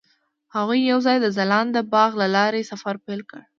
هغوی یوځای د ځلانده باغ له لارې سفر پیل کړ.